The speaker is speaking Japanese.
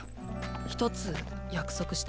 ひとつ約束して。